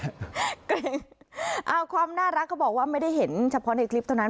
กรงความน่ารักก็บอกว่าไม่ได้เห็นชับค้อนในคลิปเท่านั้น